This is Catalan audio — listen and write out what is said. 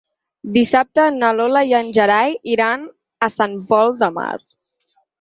Dissabte na Lola i en Gerai iran a Sant Pol de Mar.